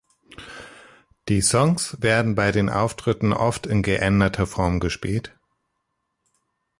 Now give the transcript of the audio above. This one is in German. Die Songs werden bei Auftritten oft in geänderter Form gespielt.